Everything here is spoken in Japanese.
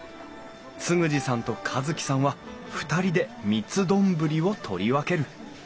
嗣二さんと一樹さんは２人で三ツ丼を取り分ける。